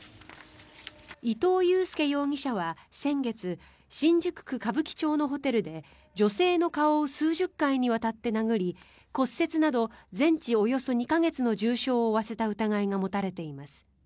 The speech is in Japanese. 伊藤裕介容疑者は先月新宿区歌舞伎町のホテルで女性の顔を数十回にわたって殴り骨折など全治およそ２か月の重傷を負わせた疑いが持たれています。